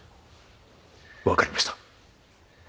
分かりました必ず！